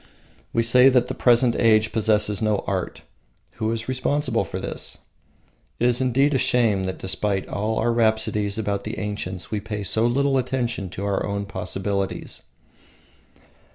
We say that the present age possesses no art: who is responsible for this? It is indeed a shame that despite all our rhapsodies about the ancients we pay so little attention to our own possibilities.